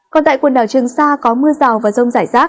còn tại quần đảo trường sa có mưa rào và rông rải rác